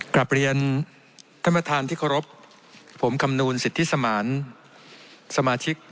กลับเรียนท่านประธานที่เคารพผมคำนวณสิทธิสมานสมาชิก